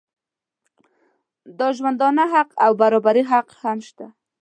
د ژوندانه حق او د برابري حق هم شته.